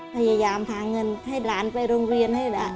พยายามหาเงินให้หลานไปโรงเรียนให้หลาน